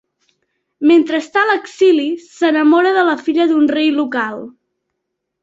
Mentre està a l'exili, s'enamora de la filla d'un rei local.